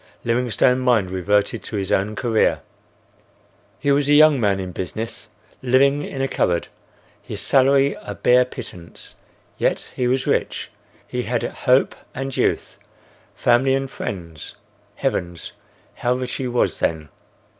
Livingstone's mind reverted to his own career. He was a young man in business; living in a cupboard; his salary a bare pittance; yet he was rich; he had hope and youth; family and friends. Heavens! how rich he was then!